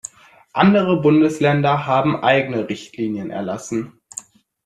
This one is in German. Andere Bundesländer haben eigene Richtlinien erlassen.